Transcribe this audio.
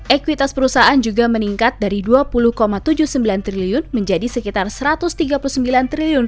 ekuitas perusahaan juga meningkat dari rp dua puluh tujuh puluh sembilan triliun menjadi sekitar rp satu ratus tiga puluh sembilan triliun